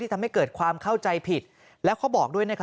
ทำให้เกิดความเข้าใจผิดแล้วเขาบอกด้วย